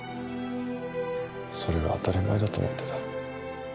それが当たり前だと思ってた。